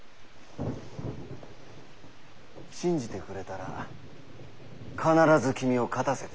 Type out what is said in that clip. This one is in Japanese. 信じてくれたら必ず君を勝たせてやるよ。